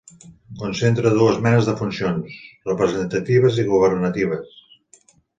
Concentra dues menes de funcions: representatives i governatives.